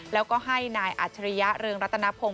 แล้วก็ให้นายอัจฉริยะเรืองรัตนพงศ